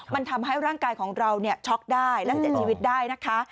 มันทำให้ร่างกายของเราช็อกได้และเสียชีวิตได้นะคะ